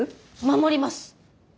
守ります！